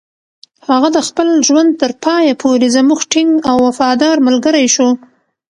هغه د خپل ژوند تر پایه پورې زموږ ټینګ او وفادار ملګری شو.